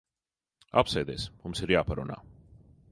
Apsēdies. Mums ir jāparunā.